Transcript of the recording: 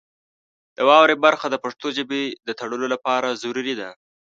د واورئ برخه د پښتو ژبې د تړلو لپاره ضروري ده.